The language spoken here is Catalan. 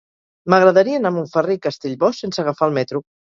M'agradaria anar a Montferrer i Castellbò sense agafar el metro.